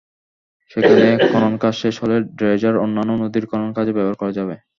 সেখানে খননকাজ শেষ হলে ড্রেজার অন্যান্য নদীর খননকাজে ব্যবহার করা যাবে।